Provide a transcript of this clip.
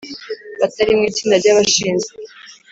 Batari mu itsinda ry abashinzwe